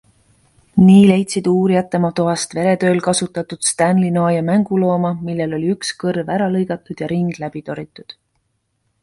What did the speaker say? Nii leidsid uurijad tema toast veretööl kasutatud Stanley noa ja mängulooma, millel oli üks kõrv ära lõigatud ja rind läbi torgitud.